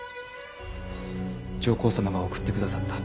上皇様が送ってくださった。